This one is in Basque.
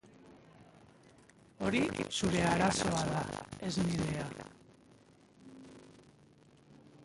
Hori zure arazoa da, ez nirea.